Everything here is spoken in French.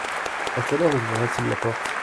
À quelle heure ouvrira-t-il la porte ?